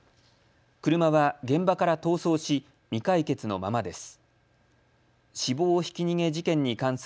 車は現場から逃走し未解決のままです。